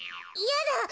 いやだ！